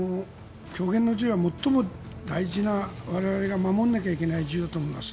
表現の自由は最も大事な我々が守らなきゃいけないものだと思います。